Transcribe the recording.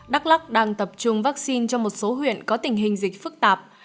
đắk lắc đang tập trung vaccine cho một số huyện có tình hình dịch phức tạp